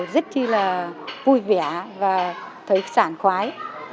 đều rất là vui vẻ và thấy sản khoái